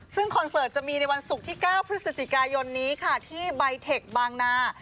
ซึ่งคอนเสิร์ตจะมีในวันศุกร์ที่๙พฤศจิกายนนี้ค่ะที่ใบเทคบางนา